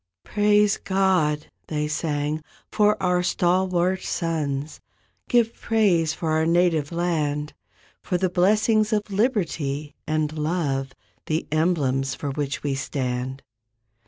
"Praise God," they sang, "for our stalwart sons, Give praise for our native land. For the blessings of liberty and love— The emblems for which we stand."